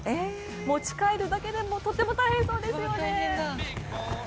持ち帰るだけでもとっても大変そうですよね。